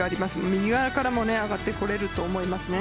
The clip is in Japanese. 右側からも上がってこれると思います。